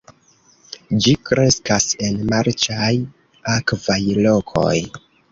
Ĝi kreskas en marĉaj, akvaj lokoj.